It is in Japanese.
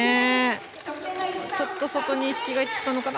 ちょっと外に意識がいってたのかな。